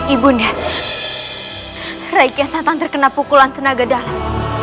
ibunya reiki satan terkena pukulan tenaga dalam